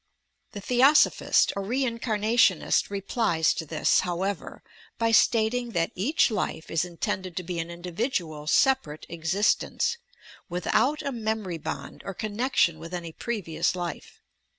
The Theosophist or Reincamationist replies to this, however, by stating that each life is intended to be an individual, separate existence, without a memory bond, or connection with any previous life.